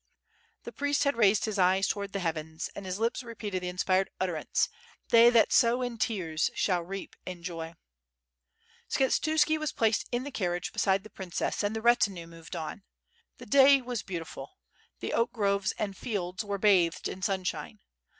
The priest had raised his eyes towards the heavens and his lips repeated the inspired utterance "They that sow in tears shall reap in joy. .." Skshetuski was placed in the carriage beside the princess and the retinue moved on. The day was beautiful, the oak groves and field swere bathed in sunshine.